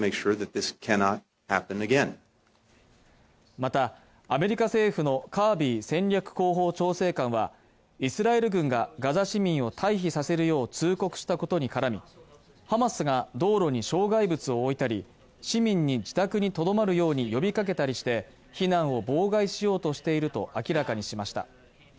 またアメリカ政府のカービー戦略広報調整官は、イスラエル軍がガザ市民を退避させるよう通告したことに絡み、ハマスが道路に障害物を置いたり市民に自宅にとどまるように呼びかけたりして、避難を妨害しようとしていると明らかにしました。